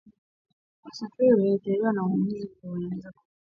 Wasafiri walioathiriwa na uamuzi huu wanaweza kurejeshewa fedha zao za tiketi